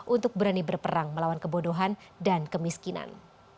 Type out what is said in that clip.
untuk berani berperang melawan kebodohan dan kemiskinan